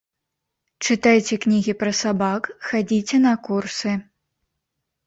Чытайце кнігі пра сабак, хадзіце на курсы.